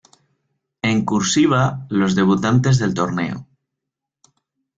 En "cursiva" los debutantes del torneo.